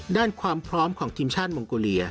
ความพร้อมของทีมชาติมองโกเลีย